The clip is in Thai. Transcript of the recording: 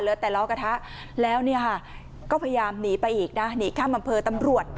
แต่ล้อกระทะแล้วเนี่ยค่ะก็พยายามหนีไปอีกนะหนีข้ามอำเภอตำรวจ